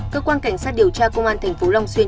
cơ quan cảnh sát điều tra công an tp long xuyên